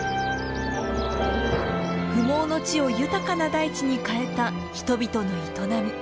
不毛の地を豊かな大地に変えた人々の営み。